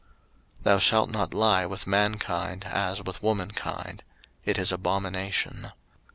03:018:022 Thou shalt not lie with mankind, as with womankind: it is abomination.